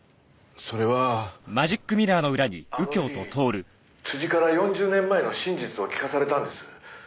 「あの日辻から４０年前の真実を聞かされたんです」